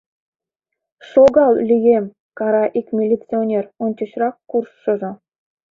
— Шогал, лӱем! — кара ик милиционер, ончычрак куржшыжо.